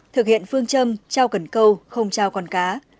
thực hiện phương châm trao cần câu không trao con cá